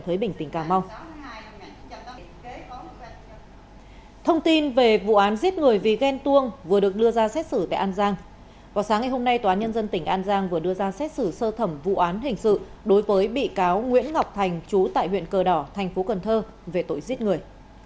hôm nay tòa án nhân dân tỉnh an giang vừa đưa ra xét xử sơ thẩm vụ án hình sự đối với bị cáo nguyễn ngọc thành chú tại huyện cờ đỏ tp cn về tội giết người